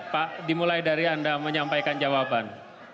pak dimulai dari anda menyampaikan jawaban